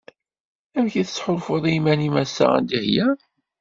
Amek i tettḥulfuḍ iman-im ass-a a Dihya?